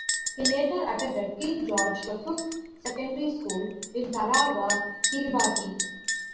He later attended King George the Fifth Secondary School in Tarawa, Kiribati.